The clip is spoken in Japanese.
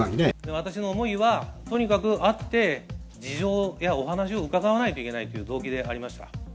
私の思いは、とにかく会って、事情やお話を伺わないといけないという動機でありました。